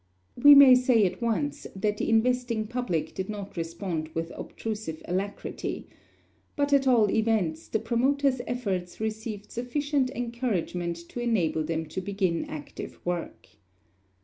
We may say at once that the investing public did not respond with obtrusive alacrity; but at all events, the promoters' efforts received sufficient encouragement to enable them to begin active work.